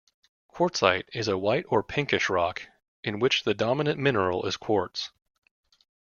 Quartzite is a white or pinkish rock, in which the dominant mineral is Quartz.